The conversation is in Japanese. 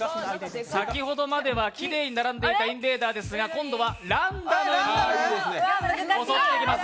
先ほどまではきれいに並んでいたインベーダーですが、今度はランダムに出ます。